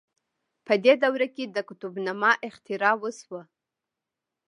په دې دوره کې د قطب نماء اختراع وشوه.